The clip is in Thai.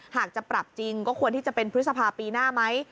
หากจะปรับจริงก็ควรที่จะเป็นพฤษภาปีหน้าไหม